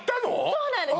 そうなんです